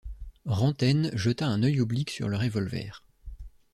Rantaine jeta un œil oblique sur le revolver.